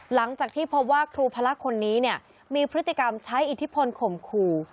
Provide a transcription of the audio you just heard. หลังจากที่พบว่าครูพละคนนี้เนี่ยมีพฤติกรรมใช้อิทธิพลข่มขู่